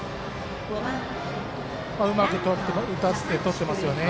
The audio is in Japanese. うまく遠いところ打たせてとってますよね。